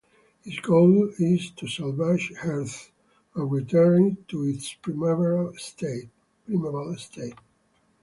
His goal is to salvage Earth and return it to its primeval state.